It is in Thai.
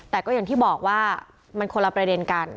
แต่ก็อย่างที่บอกว่ามันคนละประเด็นกัน